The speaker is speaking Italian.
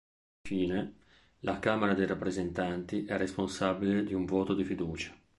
Infine, la Camera dei rappresentanti è responsabile di un voto di fiducia.